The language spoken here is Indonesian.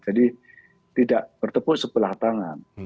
jadi tidak bertepuk sebelah tangan